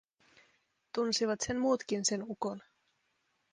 Tunsivat sen muutkin, sen ukon.